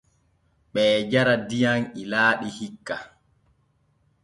Ɓee jara diyam ilaaɗi hikka.